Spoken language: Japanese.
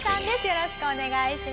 よろしくお願いします。